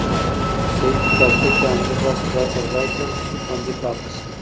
سعید په کتابچه کې انځور داسې ځای پر ځای کړ چې خوندي پاتې شي.